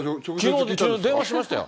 きのう、電話しましたよ。